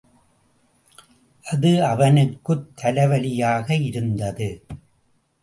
அது அவனுக்குத் தலைவலியாக இருந்தது.